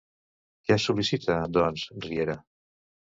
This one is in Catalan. Què sol·licita, doncs, Riera?